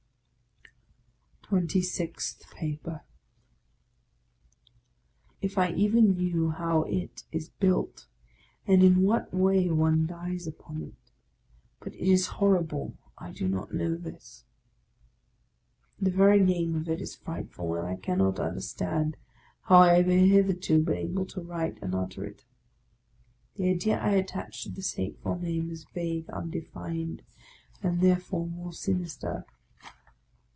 TWENTY SIXTH PAPER IF I *ven knew how it is built, and in what way one dies upon it; but it is horrible I do not know this. The very name of it is frightful, and I cannot understand how I have hitherto been able to write and utter it. The idea I attach to this hateful name is vague, undefined, and therefore more sinister.